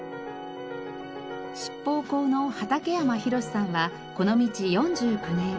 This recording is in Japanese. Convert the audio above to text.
七宝工の畠山弘さんはこの道４９年。